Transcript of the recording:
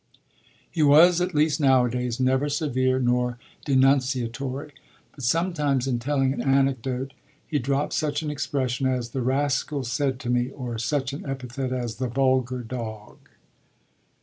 He was, at least nowadays, never severe nor denunciatory; but sometimes in telling an anecdote he dropped such an expression as "the rascal said to me" or such an epithet as "the vulgar dog."